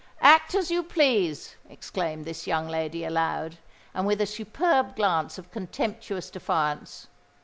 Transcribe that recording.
"Act as you please," exclaimed this young lady aloud, and with a superb glance of contemptuous defiance.